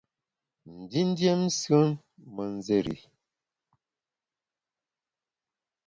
Ndindiem nsùen me nzéri i.